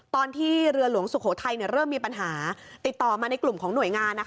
ตอนที่เรือหลวงสุโขทัยเริ่มมีปัญหาติดต่อมาในกลุ่มของหน่วยงาน